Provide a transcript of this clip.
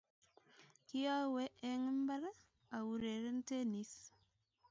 kiowe eng mbar aureren tenis.